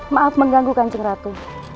maaf mengganggu kancing ratu